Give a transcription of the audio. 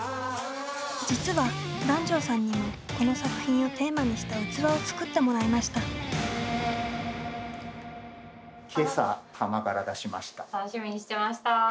実は檀上さんにもこの作品をテーマにした器を作ってもらいました。